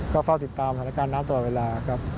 ก็เฝ้าติดตามสถานการณ์น้ำตลอดเวลาครับ